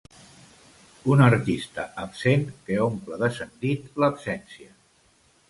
Un artista absent que omple de sentit l'absència.